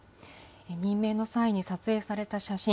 任命の際に撮影された写真。